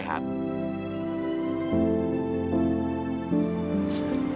gak usah terlalu kasar